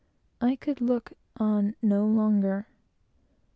I could look on no longer.